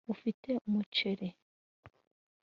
ufite umuceri